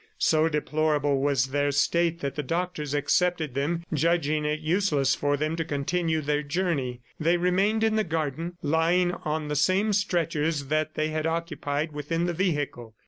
So deplorable was their state that the doctors accepted them, judging it useless for them to continue their journey. They remained in the garden, lying on the same stretchers that they had occupied within the vehicle.